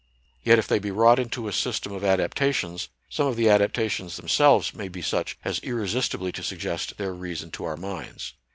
Yet if they be wrought into a system of adaptations, some of the adaptations themselves may be such as irresistibly to suggest their reason to our minds.